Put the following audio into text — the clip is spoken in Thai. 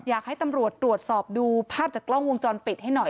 อยากให้ตำรวจตรวจสอบดูภาพจากกล้องวงจรปิดให้หน่อย